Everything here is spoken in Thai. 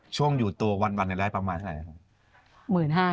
ช่วงอยู่ตัววันในแรกประมาณไหนครับ